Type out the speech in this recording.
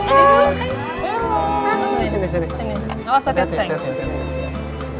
gak usah hati hati sayang